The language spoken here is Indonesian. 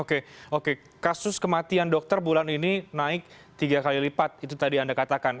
oke oke kasus kematian dokter bulan ini naik tiga kali lipat itu tadi anda katakan